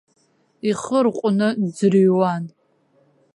Ихы рҟәны дӡырҩуан.